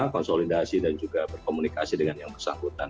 konsolidasi dan juga berkomunikasi dengan yang bersangkutan